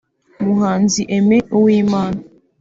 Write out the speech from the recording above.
Umuhanzi Aime Uwimana